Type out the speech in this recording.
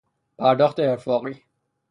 پرداخت ارفاقی